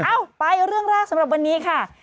เอ้าไปเรื่องแรกสำหรับวันนี้ค่ะ